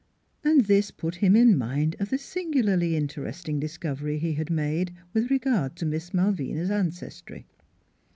And this put him in mind of the singularly interesting dis covery he had made with regard to Miss Mal vina's ancestry.